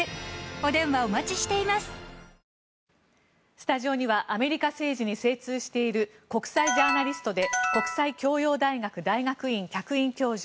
スタジオにはアメリカ政治に精通している国際ジャーナリストで国際教養大学大学院客員教授